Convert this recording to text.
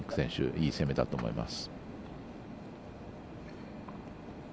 いい攻めだと思います。